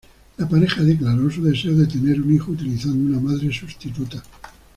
La pareja declaró su deseo de tener un hijo utilizando una madre sustituta.